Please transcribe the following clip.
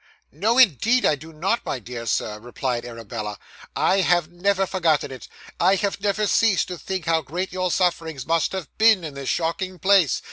'No, indeed I do not, my dear Sir,' replied Arabella. 'I never have forgotten it. I have never ceased to think how great your sufferings must have been in this shocking place.